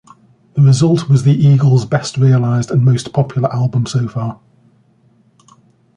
The result was the Eagles' best-realized and most popular album so far.